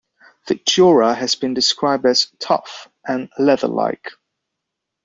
The dura has been described as "tough" and "leather-like".